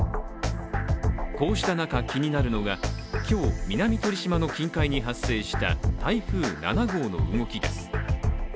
こうした中、気になるのが、今日、南鳥島の近海に発生した台風７号の動きです。